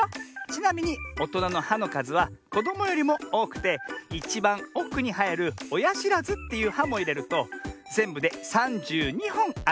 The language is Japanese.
ちなみにおとなの「は」のかずはこどもよりもおおくていちばんおくにはえる「おやしらず」っていう「は」もいれるとぜんぶで３２ほんあるんだね。